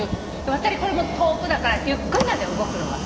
これも遠くだからゆっくりなのよ動くのが。